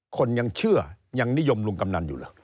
คนยังเชื่อยังนิยมลุงกำนันอยู่เหรอ